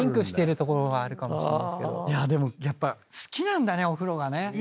でもやっぱ好きなんだねお風呂がね。